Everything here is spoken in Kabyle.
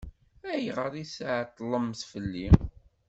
Ayɣer i tɛeṭṭlemt fell-i?